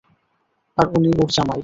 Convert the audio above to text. আর উনি ওর জামাই।